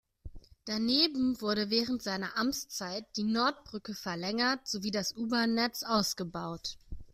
Daneben wurde während seiner Amtszeit die Nordbrücke verlängert sowie das U-Bahn-Netz ausgebaut.